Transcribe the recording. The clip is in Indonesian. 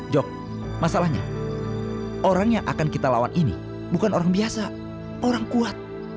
jok masalahnya orang yang akan kita lawan ini bukan orang biasa orang kuat